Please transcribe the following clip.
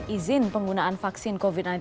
izin penggunaan vaksin covid sembilan belas